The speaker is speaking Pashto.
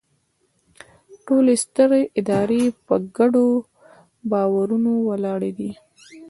ټولې سترې ادارې په ګډو باورونو ولاړې دي.